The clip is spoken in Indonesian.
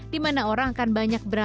di mana orang akan banyak berada